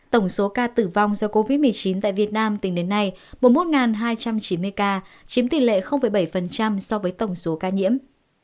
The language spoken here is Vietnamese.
tổng số ca tử vong do covid một mươi chín tại việt nam tính đến nay một mươi một hai trăm chín mươi ca chiếm tỷ lệ bảy so với tổng số ca nhiễm